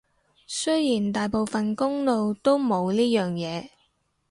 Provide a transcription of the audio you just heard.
雖然大部分公路都冇呢樣嘢